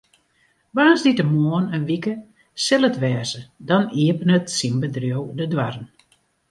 Woansdeitemoarn in wike sil it wêze, dan iepenet syn bedriuw de doarren.